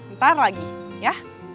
ntar lagi ya